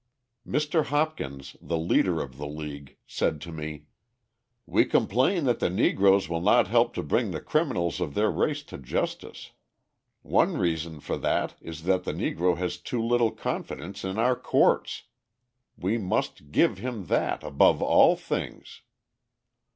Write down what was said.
Mr. Hopkins, the leader of the League, said to me: "We complain that the Negroes will not help to bring the criminals of their race to justice. One reason for that is that the Negro has too little confidence in our courts. We must give him that, above all things."